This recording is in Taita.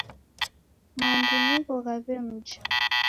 Madu nigho ghawemja